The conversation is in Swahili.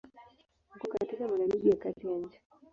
Uko katika Magharibi ya Kati ya nchi.